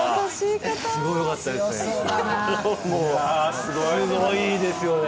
すごいですよね。